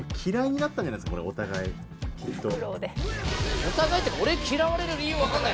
「お互いって俺嫌われる理由わからない」